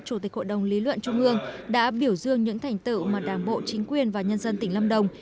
chủ tịch hội đồng lý luận trung ương đã biểu dương những thành tựu mà đảng bộ chính quyền và nhân dân tỉnh lâm đồng